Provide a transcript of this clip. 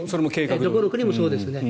どの国もそうですね。